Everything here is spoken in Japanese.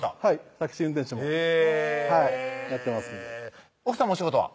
タクシー運転手もやってますんで奥さまお仕事は？